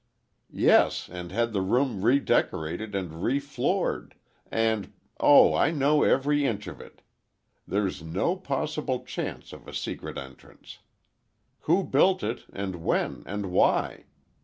Yes, and had the room redecorated and refloored, and—Oh, I know every inch of it! There's no possible chance of a secret entrance. Who built it and when and why?